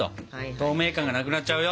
透明感がなくなっちゃうよ。